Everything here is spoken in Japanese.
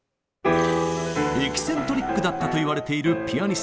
エキセントリックだったといわれているピアニストグールド。